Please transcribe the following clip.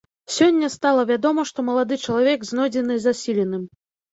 Сёння стала вядома, што малады чалавек знойдзены засіленым.